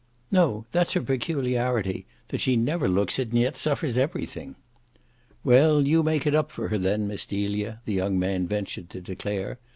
"No, that's her peculiarity, that she never looks it and yet suffers everything." "Well, you make it up for her then, Miss Delia," the young man ventured to declare.